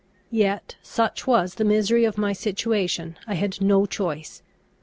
Yet, such was the misery of my situation, I had no choice.